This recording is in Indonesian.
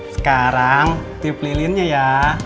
sekarang tip lilinnya ya